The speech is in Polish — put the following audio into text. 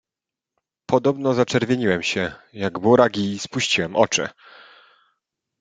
"Podobno zaczerwieniłem się, jak burak i spuściłem oczy."